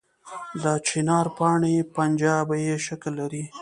د چنار پاڼې پنجه یي شکل لري